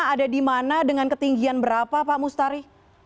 ada di mana dengan ketinggian berapa pak mustari